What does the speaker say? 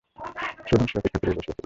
সেদিন সে অপেক্ষা করিয়া বসিয়া ছিল।